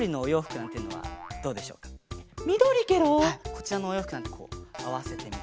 こちらのおようふくなんてこうあわせてみて。